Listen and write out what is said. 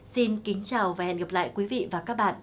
xin kính chào và hẹn gặp lại quý vị và các bạn